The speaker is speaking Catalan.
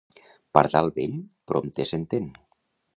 Pardal vell prompte s'entén.